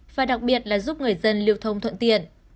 và đặc biệt là giúp người dân lưu thông thuận tiện